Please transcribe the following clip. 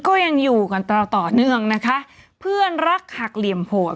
ก็ยังอยู่กันเราต่อเนื่องนะคะเพื่อนรักหักเหลี่ยมโหด